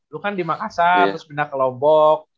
lu kan di makassar terus pindah ke lombok